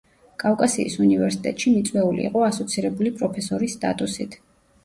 კავკასიის უნივერსიტეტში მიწვეული იყო ასოცირებული პროფესორის სტატუსით.